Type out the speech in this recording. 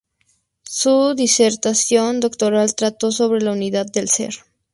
Su disertación doctoral trató sobre "la unidad del ser".